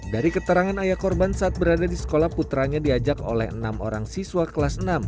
dari keterangan ayah korban saat berada di sekolah putranya diajak oleh enam orang siswa kelas enam